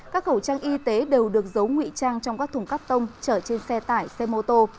các khẩu trang y tế đều được giấu nguy trang trong các thùng cắt tông chở trên xe tải xe mô tô